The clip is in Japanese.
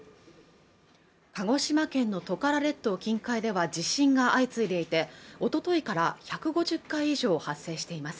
鹿児島県のトカラ列島近海では地震が相次いでいておとといから１５０回以上発生しています